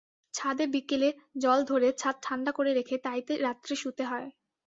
ছাদে বিকেলে জল ধরে ছাদ ঠাণ্ডা করে রেখে তাইতে রাত্রে শূতে হয়।